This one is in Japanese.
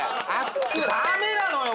ダメなのよ